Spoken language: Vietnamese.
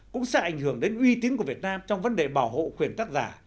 cũng sẽ ảnh hưởng đến uy tín của việt nam trong vấn đề bảo hộ quyền tác giả